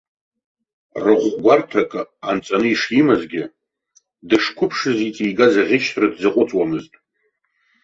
Рахә гәарҭак анҵаны ишимазгьы, дышқәыԥшыз иҵигаз аӷьычра дзаҟәыҵуамызт.